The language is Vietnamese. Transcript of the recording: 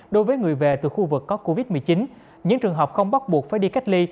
đối với người về từ khu vực có covid một mươi chín những trường hợp không bắt buộc phải đi cách ly